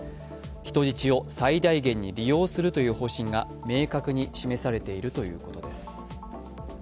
人質を最大限に利用するという方針が明確に示されているということです。